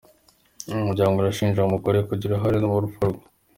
Umuryango urashinja umugore we kugira uruhare mu rupfu rwe